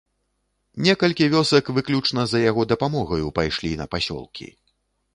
Некалькі вёсак выключна за яго дапамогаю пайшлі на пасёлкі.